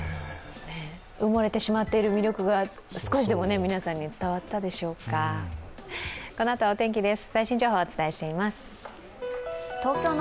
埋もれてしまっている魅力が少しでも皆さんにお天気です。